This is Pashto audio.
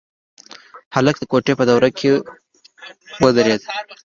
هلک د کوټې په وره کې ودرېد.